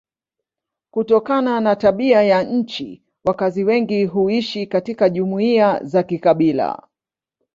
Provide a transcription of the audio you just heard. Kutokana na tabia ya nchi wakazi wengi huishi katika jumuiya za kikabila.